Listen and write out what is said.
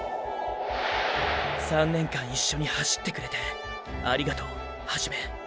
３年間一緒に走ってくれてありがとう一。